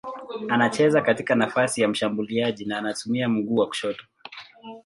Anacheza katika nafasi ya mshambuliaji na anatumia mguu wa kushoto.